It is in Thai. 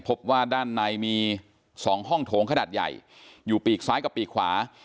พบว่าด้านในมี๒ห้องโถงขนาดใหญ่อยู่ปีกซ้ายกับปีกขวา